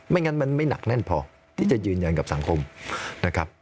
งั้นมันไม่หนักแน่นพอที่จะยืนยันกับสังคมนะครับ